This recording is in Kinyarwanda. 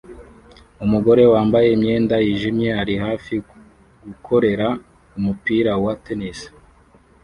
Umugore wambaye imyenda yijimye ari hafi gukorera umupira wa tennis